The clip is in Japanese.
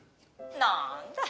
「なーんだ」